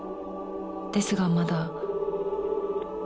「ですがまだ」